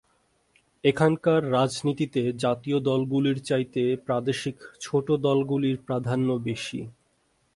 এখানকার রাজনীতিতে জাতীয় দলগুলির চাইতে প্রাদেশিক ছোট দলগুলির প্রাধান্য বেশি।